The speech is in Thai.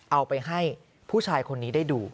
เอาไปให้ผู้ชายคนนี้ได้ดู